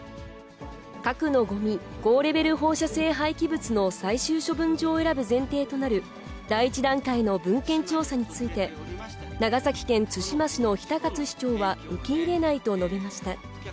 核のごみ・高レベル放射性廃棄物の最終処分場を選ぶ前提となる第１段階の文献調査について、長崎県対馬市の比田勝市長は受け入れないと述べました。